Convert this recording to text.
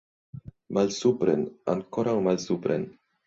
Malsupren, ankoraŭ malsupren!